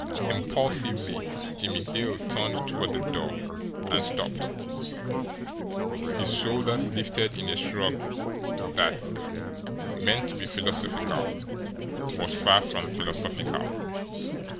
Impulsively Jimmie Dale turned toward the door and stopped. His shoulders lifted in a shrug that, meant to be philosophical, was far from philosophical.